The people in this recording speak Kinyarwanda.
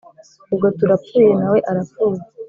Ubwo turapfuye nawe arapfuye